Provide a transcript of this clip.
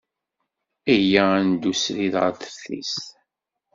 Iyya ad neddu srid ɣer teftist.